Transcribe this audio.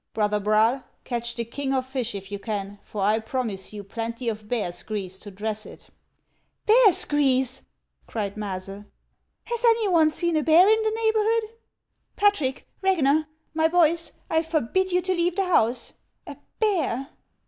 Brother Braal, catch the king of fish, if you can, for I promise you plenty of bear's grease to dress it." " Bear's grease !" cried Maase. " Has any one seen a bear in the neighborhood ? Patrick, Eegner, my boys, I forbid you to leave the house. A bear